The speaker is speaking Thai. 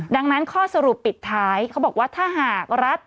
ดังนั้นข้อสรุปปิดท้ายเขาบอกว่าถ้าหากรัฐ